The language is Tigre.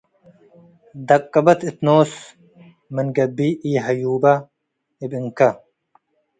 ደቅበት እት ኖስ ምን ገብእ ኢሀዩበ እብ እንከ